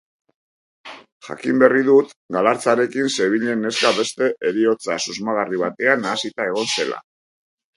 Jakin berri dut Galartzarekin zebilen neska beste heriotza susmagarri batean nahasita egon zela.